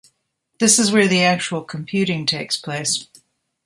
This is where the actual computing takes place.